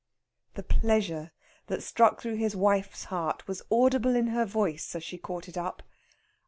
The pleasure that struck through his wife's heart was audible in her voice as she caught it up.